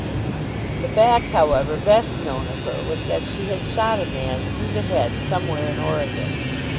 The fact, however, best known of her was, that she had shot a man through the head somewhere in Oregon.